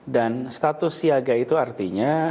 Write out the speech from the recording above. dan status siaga itu artinya